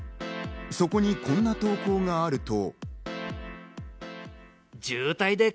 ここにこんな投稿があると。